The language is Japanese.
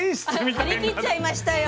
張り切っちゃいましたよ。